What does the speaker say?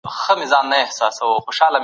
نه دا چي یوازي تېریدل.